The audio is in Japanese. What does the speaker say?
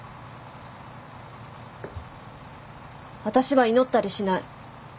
私は祈ったりしない。